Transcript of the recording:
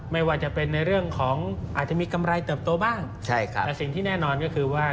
ไม่ว่าจะเป็นในเรื่องของอาจจะมีกำไรเติบโตบ้างใช่ครับแต่สิ่งที่แน่นอนก็คือว่า